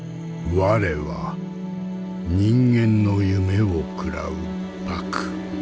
我は人間の夢を食らう獏。